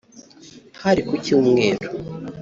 Hari ku Cyumweru